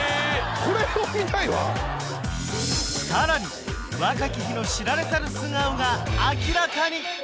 これを見たいわさらに若き日の知られざる素顔が明らかに！